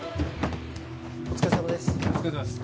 お疲れさまです